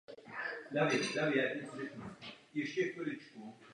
Za tímto účelem je také někdy užita inverze v přímé řeči.